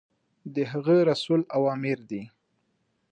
د هغه رسول اوامر دي.